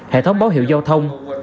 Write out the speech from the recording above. hệ thống báo hiệu giao thông